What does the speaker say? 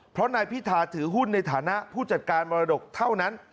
เพราะนายพิธาถือหุ้นในฐานะผู้จัดการมรดกเท่านั้น